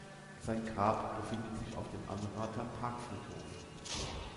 Sein Grab befindet sich auf dem Anrather Parkfriedhof.